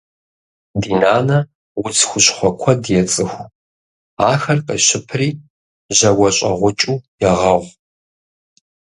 Ди нанэ удз хущхъуэ куэд ецӀыху. Ахэр къещыпри жьауэщӀэгъукӀыу егъэгъу.